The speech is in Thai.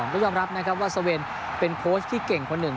ก็ยอมรับนะครับว่าสเวนเป็นโค้ชที่เก่งคนหนึ่ง